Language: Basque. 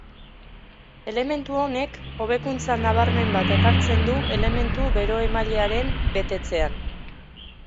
Elementu honek hobekuntza nabarmen bat ekartzen du elementu bero-emailearen betetzean.